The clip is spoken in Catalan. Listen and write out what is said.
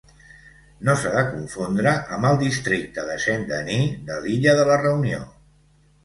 No s'ha de confondre amb el Districte de Saint-Denis de l'illa de la Reunió.